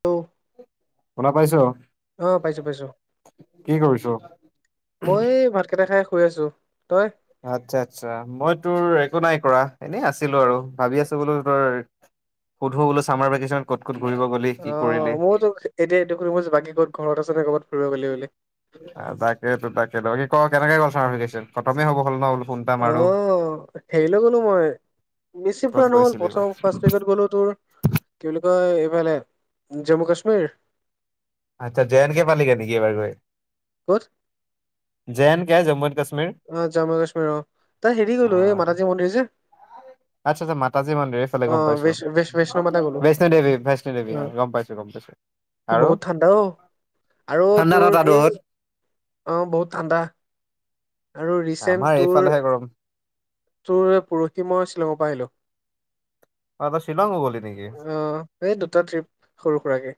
Hello, শুনা পাইছ অঁ পাইছো পাইছো। কি কৰিছ? মই এই ভাতকেইটা খাই শুই আছো, তই? আচ্ছা, আচ্ছা, মই তোৰ একো নাই কৰা এনেই আছিলো আৰু ভাবি আছো বোলো তোৰ- সুধো বোলো চামাৰ ভেকেচন ক'ত ক'ত ঘূৰিব গলি? কি অঁ, কৰিলি মইও তো এতিয়া এইটো কৰিব বাকী ক'ত ঘৰত আছে নে ক'বাত ফুৰিব গ'লি বুলি? তাকেতো, তাকেতো বাকী কি ক কেনেকে গ'ল চামাৰ ভেকেচন, খতমে হ'ব হ'ল ন বোলো ফোন এটা মাৰো। অ' হেৰিলৈ গ'লো মই, বেছি ক'ত ফুৰা নহল গৈছিলি এইবাৰ প্ৰথম ফাৰ্ষ্ট উইকত গ'লো তোৰ- কি বুলি কয় এইফালে জম্মু কাশ্মীৰ- আচ্ছা, জে এণ্ড কে পালিগে নেকি এইবাৰ গৈ? ক'ত? J N K Jammu and Kashmir. অ', জম্মু কাশ্মীৰ অ' তাৰ হেৰি অ গ'লো এই মাতাজী মন্দিৰ যে। আচ্ছা আচ্ছা মাতাজী মন্দিৰ এইফালে গম অ' পাইছো বৈষ বৈষ বৈষ্ণৱ মাতা গ'লো বৈষ্ণো দেৱী বৈষ্ণো দেৱী অ' গম পাইছো। গম পাইছো। আৰু বহুত ঠাণ্ডা অ' আৰু ঠাণ্ডা ন তোৰ তাত বহুত এই অ' বহুত ঠাণ্ডা। আৰু ৰিচেণ্ট আমাৰ তোৰ এইফালেহে গৰম। তোৰ পৰহি মই শ্বিলঙৰ পৰা আহিলো। অ তই শ্বিলঙো গ'লি নেকি? অ', এই দুটা ট্ৰিপ সৰু সুৰাকে।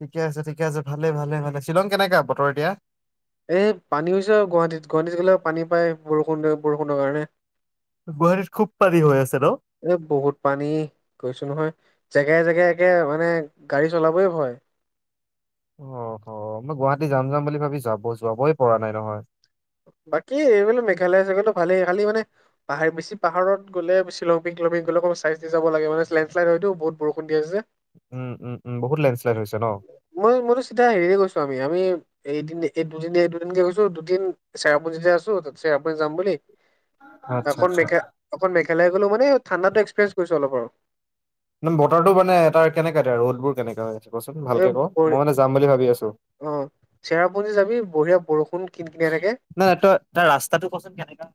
ঠিকে আছে, ঠিকে আছে ভালে ভালে ভালে, শ্বিলং কেনেকা বতৰ এতিয়া? এই পানী হৈছে আৰু গুৱাহাটীত গুৱাহাটীত গ'লে পানী পায় বৰষুণ বৰষুণৰ কাৰণে। গুৱাহাটীত খুব পানী হৈ আছে ন? এ বহুত পানী কৈছো নহয়, জেগাই জেগাই একে মানে গাড়ী চলাবই ভয়। অ', হ মই গুৱাহাটী যাম যাম বুলি ভাবি যাব যাবই পৰা নাই নহয়। বাকী এইবিলাক মেঘালয় চেঘালয়টো ভালেই খালী মানে পাহৰ বেচি পাহাৰত গ'লে শ্বিলং পিক তিলং পিক গ'লে অকমান চাই চিতি যাব লাগে, লেণ্ড শ্লাইড হয়তো বহুত বৰষুণ দি আছে যে। উম, উম, উম, বহুত লেণ্ডশ্বাইড হৈছে ন? মই মইতো চিধা হেৰিৰে গৈছো আমি আমি এদিন এই দুদিন দুদিনকে গৈছো দুদিন চেৰাপুঞ্জীয়ত আছো তাতচে চেৰাপুঞ্জী যাম বুলি আচ্ছা অকন আচ্ছা। মে অকল মেঘালয় গ'লো মানে ঠণ্ডাটো এক্সপেৰিঞ্চ কৰিছো অলপ আৰু। বতৰটো মানে তাৰ কেনেকা এতিয়া ৰ'দবোৰ কেনেকা কচোন এ ভালকে ক, বঢ় মই মানে যাম বুলি ভাবি আছো। অ', চেৰাপুঞ্জী যাবি বঢ়িয়া বৰষুণ কিন কিন থাকে। নাই নাই তই তাৰ ৰাস্তাটো কচোন কেনেকা।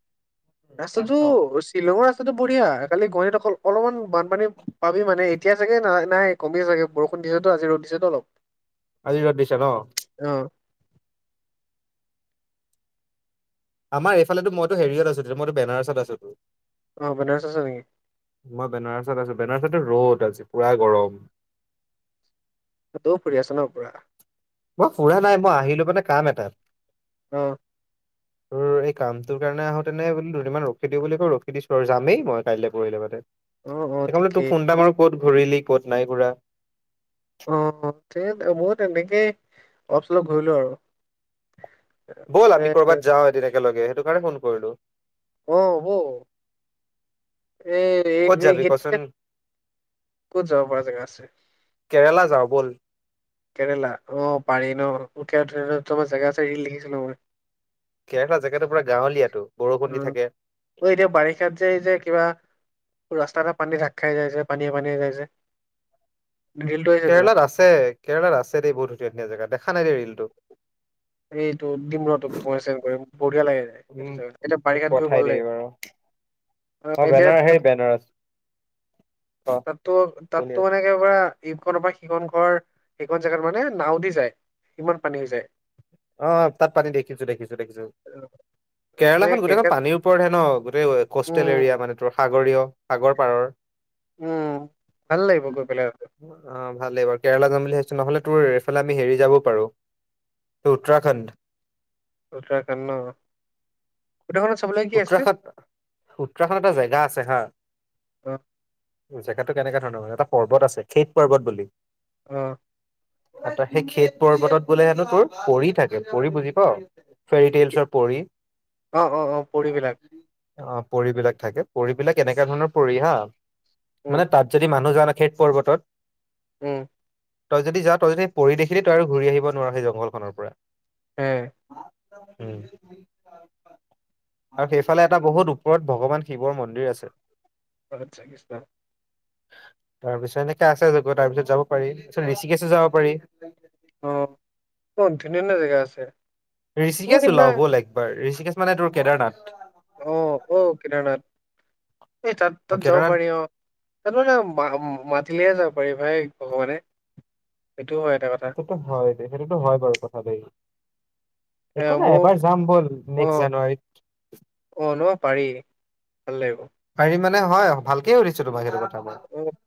যাম ৰাস্তাটো ন? শ্বিলঙৰ ৰাস্তাটো বঢ়িয়া খালী গুৱাহাটীত অকল অলপমান বানপানী পাবি মানে এতিয়া চাগে নাই নাই কমিছে চাগে বৰষুণ দিছেতো আজি ৰ'দ দিছেতো অলপ। আজি ৰ'দ দিছে ন? অ'। আমাৰ এইফালেতো মইতো হেৰিয়ত আছো মইতো বেনাৰছত আছোটোৰ। অ', বেনাৰচত আছা নেকি? মই বেনাৰছত আছো, বেনাৰছতো ৰ'দ আছে পুৰা গৰম। তাতেও, ফুৰি আছ ন পুৰা? মই ফুৰা নাই মই আহিলো মানে কাম এটাত। অ'। তোৰ এই কামটোৰ কাৰণে আহোঁতেনে বোলে দুদিনমান ৰখি দিওঁ বুলি কয় ৰখি দিছো, যামেই মই কাইলৈ পৰহিলৈ মানে। অ অ সেইকাৰণে ঠিকেই তোক ফোন এটা মাৰো ক'ত ঘূৰিলি ক'ত নাই ঘূৰা। অ', সেই মই তেনেকেই অলপ চলপ ঘূৰিলো আৰু। ব'ল তাৰপিছে আমি ক'ৰবাত যাওঁ এদিন একেলগে সেইটো কাৰণে ফোন কৰিলো। অ', হ'ব। এ, এই ক'ত হে যাবি এই কচোন ক'ত যাব পৰা জেগা আছে? কেৰেলা যাওঁ ব'ল। কেৰেলা অ' পাৰি ন, উঠিয়া উঠিটো জেগা আছে ৰিল দেখিছিলো মই। কেৰেলা জেগাটো পুৰা গাঁৱলীয়া বৰষুণ দি থাকে। ঐ, এতিয়া বাৰিষাত যে যে কিবা ৰাস্তা এটা পানী ঢাক খাই যায় যে পানীয়ে পানীয়ে যায় যে। ৰিলটো আহিছে তোৰ কেৰেলাত আছে কেৰেলাত আছে দেই বহুত ধুনীয়া ধুনীয়া জেগা দেখা নাই দেই ৰিলটো। এইটো ডিম ৰহ তোক মই চেণ্ড কৰিম বঢ়িয়া লাগে উম সেইটো জেগাত। এতিয়া মোক বাৰিষাত গৈ পঠাই ভাল দিবি লাগে। বাৰু অ', এতিয়া বেনাৰস তাতো, শুনি তাতো আছো। এনেকে পৰা ইখনৰ পৰা সিখন ঘৰ, সিখন জাগাত মানে নাও দি যায়, সিমান পানী হৈ যায়। অঁ, তাত পানী দেখিছো, দেখিছো, দেখিছো। তে কেৰেলাখন গোটেইখন সেইবিলাক পানীৰ ওপৰতে ন, গোটেই কষ্টেল উম এৰিয়া মানে তোৰ সাগৰীয় সাগৰ পাৰৰ। উম, ভাল লাগিব গৈ পেলাই। অঁ, ভালেই বাৰু, কেৰেলা যাম বুলি ভাবিছো নহলে তোৰ এইফালে আমি হেৰি যাবও পাৰো উত্তৰাখণ্ড। উত্তৰাখণ্ড ন? উত্তৰাখণ্ডত চাবলে উত্তৰাখাত, উত্তৰাখাণ্ড এটা জেগা আছে হা। অ। জেগাটো কেনেকুৱা ধৰণৰ মানে, এটা পৰ্বত আছে, খেইট পৰ্বত বুলি। অ'। অ ত সেই খেত পৰ্বতত বোলে হেনো, তোৰ পৰি থাকে। পৰি বুজি পাওঁ? ফেৰি টেইলছৰ পৰি? অ', অ', অ' পৰিবিলাক। অ', পৰিবিলাক থাকে, পৰিবিলাক এনেকুৱা ধৰণৰ পৰি হা উম মানে তাত যদি মানুহ [unintelligible] না খেত পৰ্বতত উম। তই যদি যাৱ, তই যদি পৰি দেখিলি, তই আৰু ঘূৰি আহিব নোৱাৰা সেই জংঘলখনৰ পৰা। এ উম। আৰু সেইফালে এটা বহুত ওপৰত ভগৱান শিৱৰ মন্দিৰ আছে। [unintelligible] তাৰপিছত এনেকুৱা আছে, [unintelligible] তাৰ পিছত যাব পাৰি তাৰ পিছত ঋষিকেশো যাব পাৰি। অ, তাত ধুনীয়া - ধুনীয়া জেগা আছে। মোৰ ঋষিকেশ সিদিনা ওলাওঁ ব'ল একবাৰ। ঋষিকেশ মানে তোৰ কেদাৰনাথ। অ', ক কেদাৰনাথ এই তাত অ তাত যাব কেদাৰনাথ পাৰি অ'। তাতো না মা মাতিলেহে যাব পাৰি ভাই ভগৱানে সেইটো হয় এটা কথা। সেইটো হয় দেই, সেইটোত হয় বাৰু কথা দেই। এ একো নাই, মোৰ এবাৰ যাম ব'ল অ নেক্সট জানুৱাৰীত। অ ন পাৰি ভাল লাগিব। পাৰি মানে হয়, ভালকে সুধিছোঁ তোমাক সেইটো কথাবোৰ। অ [unintelligible]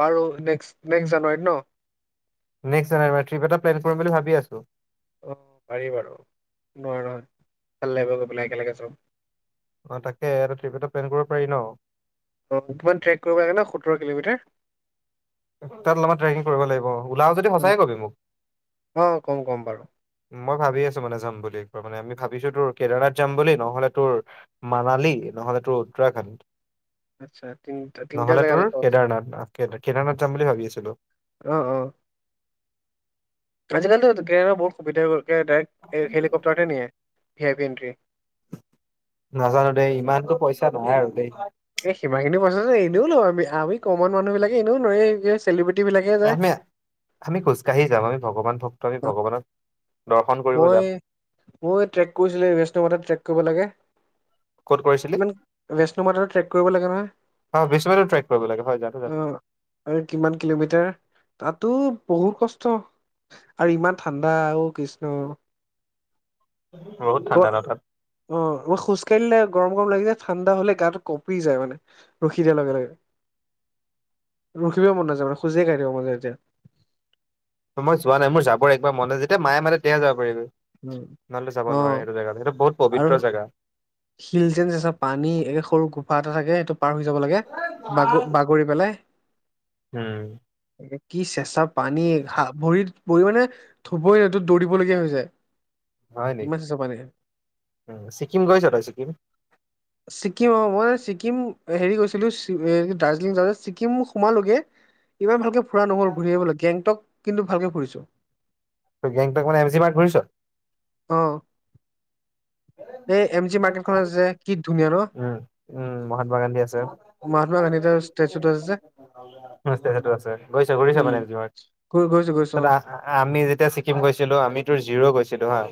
বাৰু নেক্স নেক্স জানুৱাৰীত ন'? নেক্সট জানুৱাৰী মাহত ট্ৰিপ এটা প্লেন কৰিম বুলি ভাবি আছো। অ', পাৰি বাৰু, [unintelligible] ভাল লাগিব গৈ পেলাই একেলগে চব। অ' তাকে আৰু ট্ৰিপ এটা প্লেন কৰিব পাৰি ন'। অ', কিমান ট্ৰেক কৰিব লাগে ন', সোতৰ কিলোমিটাৰ। তাত অলপমান ট্ৰেকিং কৰিব লাগিব। ওলাওঁ যদি, অ সঁচাকে ক'বি মোক? অ কম কম বাৰু মই ভাবি আছো মানে যাম বুলি একবাৰ মানে আমি ভাবিছোঁ তোৰ কেদাৰনাথ যাম বুলি, নহ'লে তোৰ মানালী নহ'লে তোৰ উত্তৰাখণ্ড। আচ্ছা তিনিটা তিনিটা নহ'লে তোৰ জেগালৈ যাব আছে কেদাৰনাথ, আ কে কেদাৰনাথ যাম বুলি ভাবি আছিলো। অ', অ'। আজিকালিতো কে বহুত সুবিধা হৈ গ'ল। ডাইৰেক্ট এই হেলিকপ্টাৰতহে নিয়ে, কেবিনটোয়ে। নাজানো দেই, ইমানতো পইচা নহয় আৰু দেই। এই, সিমান খিনি পইচা যে এনেও নোৱাৰো আমি। আমি কমন মানুহ বিলাকে এনেও নোৱাৰিম, এই চেলিব্ৰিটিবিলাকেহে যায়। আমি আমি খোজ কাঢ়ি যাম। আমি ভগৱান ভক্ত, আমি ভগৱানক দৰ্শন কৰিবলৈ মই যাম। মই ট্ৰেক কৰিছিলোঁ এ বেচ টাইমতে ট্ৰেক কৰিব লাগে। ক'ত কৰিছিলি কিমান নেক্সট টাইমত ট্ৰেক কৰিব লাগে অ'। অ বিষ্ণুপাটো ট্ৰেক কৰিব লাগে হয় জানো জানো আৰু কিমান কিলোমিটাৰ, তাতো বহুত কষ্ট। আৰু ইমান ঠাণ্ডা, অ' কৃষ্ণ! বহুত ক ঠাণ্ডা ন' তাত। অ', মই খোজকাঢ়িলে গৰম গৰম লাগি যায়। ঠাণ্ডা হ'লে গাটো কঁপি যায় মানে। ৰখি দিয়াৰ লগে লগে ৰখিবই মন নাযায় মানে, খোজ কাঢ়ি থাকিব মন যায় তেতিয়া। মই যোৱা নাই, মোৰ যাব একেবাৰে মন নাযায়। যেতিয়া মায়ে মাতে, তেতিয়াহে যাব পাৰিবি। উম নহ'লে যাব নোৱাৰে অ সেইটো জেগাত। সেইটো বহুত আৰু পবিত্ৰ জেগা। শিল, যেনে পানী, একে সৰু গুফা এটা থাকে, সেইটো পাৰ হৈ যাব লাগে বাগৰ বাগৰি। পেলাই। উম। কি চেঁচা পানী ভৰিত ভৰি মানে, থবই এইটো দৌৰিবলগীয়া হৈ যায়। হয় নেকি? ইমান চেঁচা পানী উম' ছিকিম গৈছ তই ছিকিম। ছিকিম অ' মই ছিকিম হেৰি গৈছিলোঁ দাৰ্জিলিং যাওঁতে ছিকিম সোমালোগে। ইমান ভালকে ফুৰা নহ'ল। ঘূৰি আহিব লগীয়া গেংটক কিন্তু ভালকে ফুৰিছোঁ। গেংটক মানে এম চি মাৰ্ক ঘূৰিছ। অ'। এই এম জি মাৰ্কেট খন যে কি ধুনীয়া ন। উম উম মহাত্মা গান্ধী আছে মহাত্মা গান্ধীৰ ষ্টেচুটো আছে যে। সেইটো আছে গৈছা ঘূৰিছা উম মানেজমাৰ। গৈ- গৈছো গৈছো আ আমি যেতিয়া ছিকিম গৈছিলোঁ আমি তোৰ জিৰও গৈছিলোঁ হা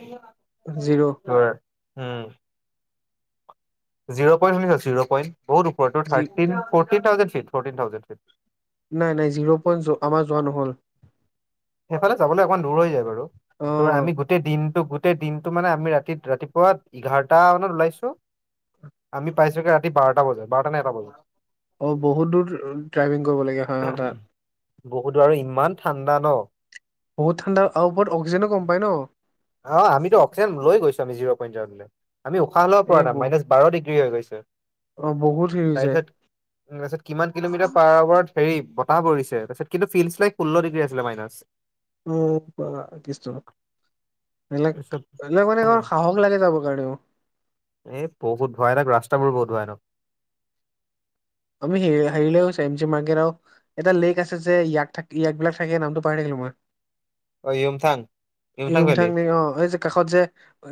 অ জিৰ' তোৰ। উম'। জিৰ' পইণ্ট শুনিছ জিৰ' প‌ইন্ট বহুত ওপৰত two G thirteen forty thousand three forty thousand. নাই নাই জিৰ' পইণ্ট আমাৰ যোৱা নহ'ল। সেইফালে যাবলৈ অকণমান দূৰ হৈ যায় বাৰু ত' অ আমি-। গোটেই দিনটো গোটেই দিনটো মানে আমি ৰাতি ৰাতিপুৱা এঘাৰটা মানত ওলাইছোঁ। আমি পাইছোঁ গৈ ৰাতি বাৰটা বজাত বাৰটা ন এটা বজাত। অ বহুত দূৰ অ ড্ৰাইভিং কৰিব লাগে। হয় তাত বহুত দূৰ আৰু ইমান ঠাণ্ডা ন। বহুত ঠাণ্ডা। আৰু অকণমান অক্সিজেনো কম পায় ন। অ' আমিতো অক্সিজেন লৈ গৈছোঁ। আমি জিৰ পইণ্টলৈ যাওঁতে আমি উশাহ ল'ব পৰা এই ব নাই। মাইনাছ। বাৰ ডিগ্ৰী হৈ গৈছে। অ' বহুত হেৰি হৈ যায়। তাৰপাছত কিমান কিলোমিটাৰ পাৰ হোৱাত হেৰি বতাহ পৰিছে। তাৰ পিছ কিু ফিল্ডছাই ষোল্ল ডিগ্ৰী আছিলে মাইনাচ। অ কিছ বিলাক। তাৰপিছত সেইবাবে, মানে সাহস লাগে যাব কাৰণেও। এই বহুত ভয়ানক ৰাস্তাবোৰ বহুত ভয়ানক। আমি হেই হেৰি লে গৈছিলোঁ চেইনচি মাৰ্কেট। এটা লেক আছে যে, ইয়াক থাকিলে ইয়াক বিলাক থাকে নামটো পাহৰি থাকিলো মই। অ য়ুমথাং য়ুমথাং ভেলী হুমঠং নি অ এই যে। কাষত যে,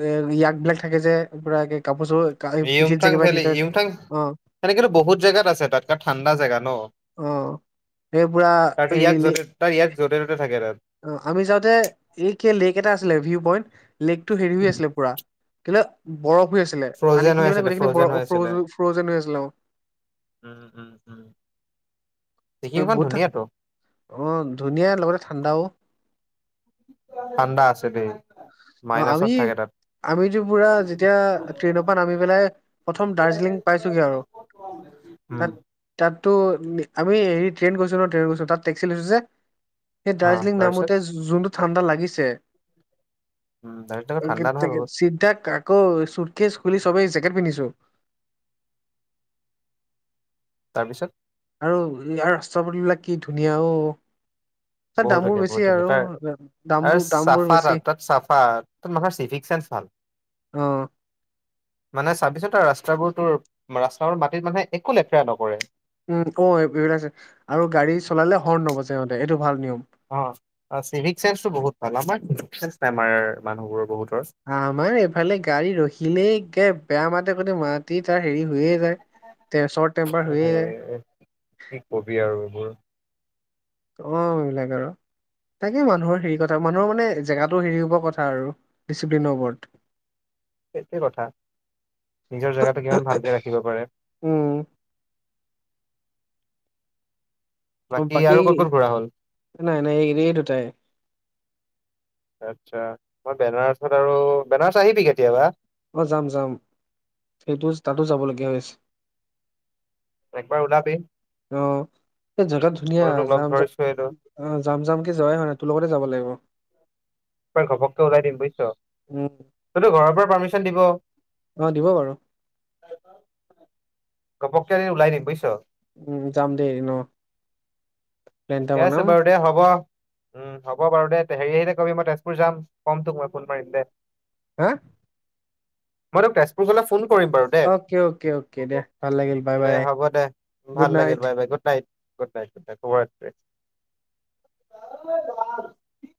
এ ইয়াক বিলাক থাকে যে পুৰা ৱে কাপোৰ চাপোৰ এই পিঠিত যে কিবা দি থয় যে অঁ। সেনেকেতো বহুত জেগাত আছে তাত ঠাণ্ডা জেগা ন'? অ এই পুৰা তাৰতো ইয়াক যতে তাৰ ইয়াক য'তে ত'তে থাকে তাত। অঁ আমি যাওঁতে এই কে লেক এটা আছিলে। ভিউ পইণ্ট, লেকটো হেৰি হৈ আছিলে পুৰা। কিলে বৰফ হৈ আছিলে, পানী ফ্ৰজেন খিনি হৈ মানে আছিলে গোটেইখিনি বৰ ফ্ৰজেন হৈ ফ্ৰ আছিলে ফ্ৰজেন হৈ আছিলে। উম' উম' উম'। এ ছিকিমখন ব'তা ধুনীয়াতো অঁ ধুনীয়া লগতে ঠাণ্ডাও। ঠাণ্ডা আছে দেই, অ আমি মাইনাচত থাকে তাত। আমিতো পুৰা যেতিয়া ট্ৰেইনৰ পা নামি পেলাই প্ৰথম দাৰ্জিলিং পাইছোগে আৰু উম। তাত তাততো আমি হেৰি ট্ৰেইন গৈছো ন, ট্ৰেইন গৈছোঁ তাত টক্সি লৈছোঁ যে সেই হা দাৰ্জিলিং তাৰপিছত নামোতে যোনটো ঠাণ্ডা লাগিছে। উম' দাৰ জাকেট তাকেট চিধা আকৌ চুটকেচ খুলি চবে জেকেট পিন্ধিছো। তাৰপিছত? আৰু ইয়াৰ ৰাস্তা পদুলি বিলাক কি ধুনীয়া অও। ত' বহুত দামবোৰ ধুনীয়া বহুত বেছি ধুনীয়া আৰু তাৰ এ আৰু দামটো দামবোৰ চাফা তাত বেছি। তাত চাফা তাত মানুহৰ চিভিক চেন্স ভাল অঁ। মানে চাবিছো তাৰ ৰাস্তাবোৰ তোৰ' ৰাস্তাবোৰ মাটিত মানে একো লেতেৰা নকৰে। উম অঁ, এইবিলাকছে আৰু গাড়ী চলালে হৰ্ণ নবজাই সিহঁতে এইটো ভাল নিয়ম। অঁ চিভিক চাইন্সটো বহুত ভাল, আমাৰ চিভিক চেন্স নাই আমাৰ মানুহবোৰ বহুতৰ আমাৰ এইফালে গাড়ী ৰখিলেই একে বেয়া মাতে সতে মাতি তাৰ হেৰি হৈয়ে যায়। তে চৰ্ট টেম্পাৰ হৈয়ে যায়। এ কি কবি আৰু এইবোৰ। অঁ এবিলাক আৰু তাকে মানুহৰ হেৰি কথা মানুহৰ মানে জেগাটো হেৰি হ'ব কথা আৰু ডিচিপ্লিনৰ ওপৰত। [inaudible] সেইটোৱে কথা নিজৰ জেগাটো কিমান ভালকে ৰাখিব পাৰে। উম। অ' বাকী আৰু ক'ত ক'ত ঘূৰা হ'ল নাই নাই এই এ দুটাই আচ্ছা মই বেনাৰছত আৰু বেনাৰছ আহিবি কেতিয়াবা। অঁ যাম যাম সেইপোজ তাতো যাব লগীয়া হৈছে। একবাৰ ওলাবি। অঁ এই জেগাত ধুনীয়া মইতো তোক লগ যাম যা ধৰিছোৱেটো অঁ যাম যাম কে যোৱাই হোৱা নাই তোৰ লগতে যাব লাগিব। এইবাৰ ঘপককে ওলাই দিম বুজিছ, উম তোৰটো ঘৰৰ পৰা পাৰ্মিশন দিব অঁ দিব বাৰু। ঘঁপক কে এদিন ওলাই দিম বুইছ। উম যাম দে এদিন অঁ। ঠিকে আছে বাৰু দে হ'ব। উম হ'ব বাৰু দে তে হেৰি আহিলে কবি মই তেজপুৰ যাম, ক'ম তোক মই ফোন মাৰিম দে। হা? মই তোক তেজপুৰ গ'লে ফোন কৰিম বাৰু। দে অকে অকে অকে দে ভাল লাগিল বাই দে বাই হ'ব দে গুড ভাল নাইট লাগিল। Bye bye good night. Good night শুভৰাত্ৰি।